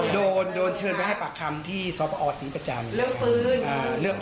โดนโดนเชิญไว้ให้ปากคำที่ศมศศรีประจันทร์